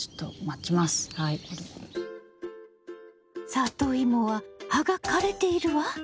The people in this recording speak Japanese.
サトイモは葉が枯れているわ。